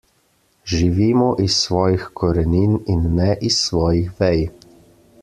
Živimo iz svojih korenin in ne iz svojih vej.